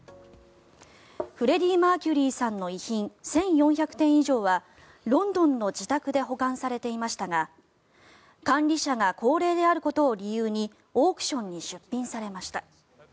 フレディ・マーキュリーさんの遺品１４００点以上はロンドンの自宅で保管されていましたが管理者が高齢であることを理由にオークションに出品されました。